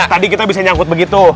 tadi kita bisa nyangkut begitu